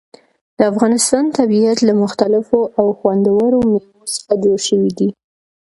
د افغانستان طبیعت له مختلفو او خوندورو مېوو څخه جوړ شوی دی.